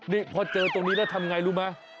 นี่พอเจอตรงนี้แล้วทำยังไงรู้มั้ย